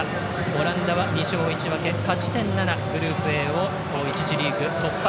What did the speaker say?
オランダは２勝１分け勝ち点７、グループＡを１次リーグ突破。